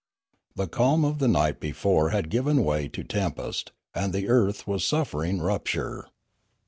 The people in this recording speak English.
The calm of the night before had given way to tempest; and the earth was suffering rupture.